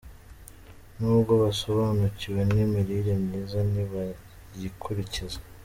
N’ubwo basobanukiwe n’imirire myiza ntibayikurikiza